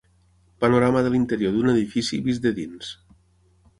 Panorama de l'interior d'un edifici vist de dins.